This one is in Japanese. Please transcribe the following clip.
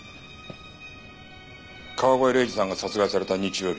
川越礼司さんが殺害された日曜日